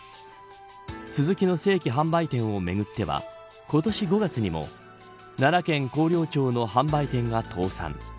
スズキの正規販売店をめぐっては今年５月にも奈良県広陵町の販売店が倒産。